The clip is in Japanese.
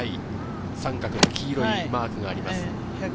三角の黄色いマークがあります。